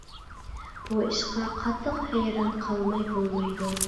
بۇ ئىشقا قاتتىق ھەيران قالماي بولمايدۇ!